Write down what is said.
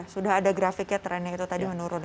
sudah ada grafiknya trennya itu tadi menurun